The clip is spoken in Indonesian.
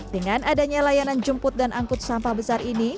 dengan adanya layanan jemput dan angkut sampah besar ini